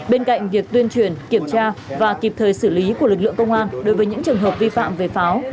bên cạnh việc tuyên truyền kiểm tra và kịp thời xử lý của lực lượng công an đối với những trường hợp vi phạm về pháo